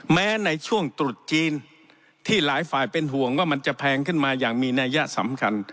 แม้ในช่วงตรุษจีนที่หลายฝ่ายเป็นห่วงว่ามันจะแพงขึ้นมาอย่างมีนัยยะสำคัญ